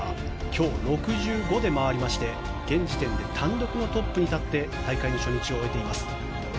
今日６５で回りまして現時点で単独のトップに立って大会の初日を終えています